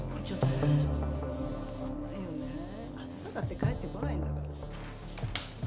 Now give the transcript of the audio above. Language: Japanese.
帰ってこないんだから。